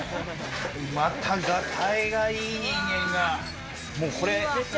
またガタイがいい人間が。